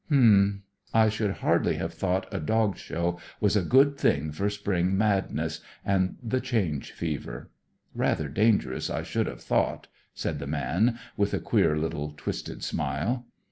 "H'm! I should hardly have thought a Dog Show was a good thing for spring madness and the change fever; rather dangerous, I should have thought," said the man, with a queer little twisted smile.